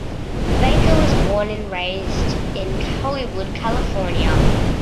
Baker was born and raised in Hollywood, California.